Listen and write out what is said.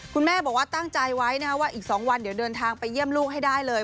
คุณแม่บอกว่าตั้งใจไว้ว่าอีก๒วันเดี๋ยวเดินทางไปเยี่ยมลูกให้ได้เลย